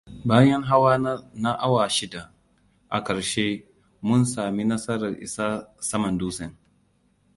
Bayan hawa na awa shida, a ƙarshe mun sami nasarar isa saman dutsen.